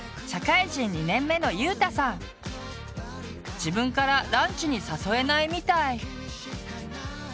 自分からランチに誘えないみたい。